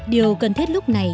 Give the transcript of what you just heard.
điều cần thiết lúc này